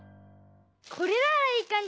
これならいいかんじ。